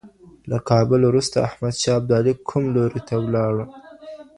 له کابل وروسته احمد شاه ابدالي کوم لوري ته ولاړ؟